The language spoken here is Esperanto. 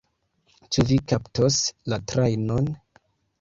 Ĉu vi kaptos la trajnon?